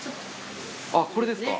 あっこれですか？